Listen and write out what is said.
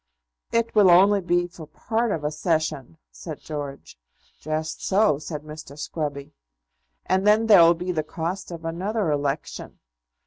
"It will only be for part of a Session," said George. "Just so," said Mr. Scruby. "And then there'll be the cost of another election."